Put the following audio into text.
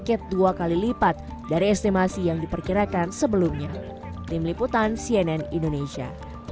target dua kali lipat dari estimasi yang diperkirakan sebelumnya